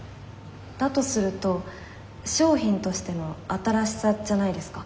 だとすると「商品としての新しさ」じゃないですか？